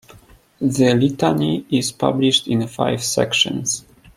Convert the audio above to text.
The litany is published in five sections.